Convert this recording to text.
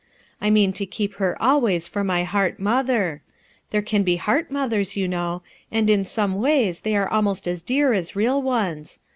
I mean to keep her always for my heart mother. There can be heart mothers, you know, and in some ways they are almost as dear as real ones.